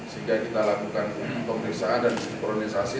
sehingga kita lakukan pemeriksaan dan sinkronisasi